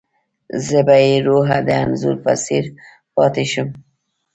زه بې روحه د انځور په څېر پاتې شم.